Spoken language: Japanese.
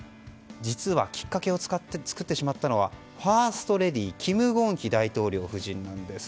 実は、きっかけを作ってしまったのはファーストレディーキム・ゴンヒ大統領夫人なんです。